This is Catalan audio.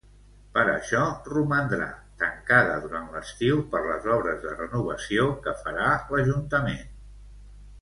Per això, romandrà tancada durant l'estiu per les obres de renovació que farà l'Ajuntament.